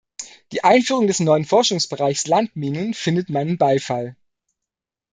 Die Einführung des neuen Forschungsbereichs Landminen findet meinen Beifall.